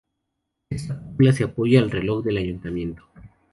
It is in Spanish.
En esta cúpula se apoya el reloj del ayuntamiento.